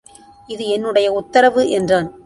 இது என்னுடைய உத்தரவு என்றான்.